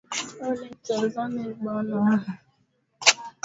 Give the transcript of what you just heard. kuwa itawashughulikia ipasavyo wale wote watakao vunja sheria